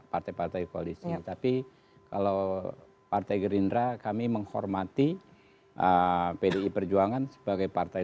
partai partai koalisi tapi kalau partai gerindra kami menghormati pdi perjuangan sebagai partai